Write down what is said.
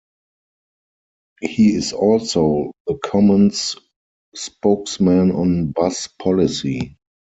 He is also the commons spokesman on bus policy.